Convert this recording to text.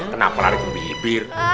kenapa lari ke bibir